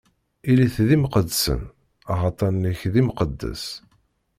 Ilit d imqeddsen, axaṭer nekk d Imqeddes.